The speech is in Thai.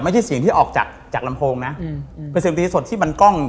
เสียงที่ออกจากจากลำโพงนะอืมเป็นเสียงตีสดที่มันกล้อง